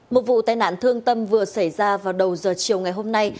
một vụ tai nạn thương tâm vừa xảy ra vào đầu giờ chiều ngày hôm nay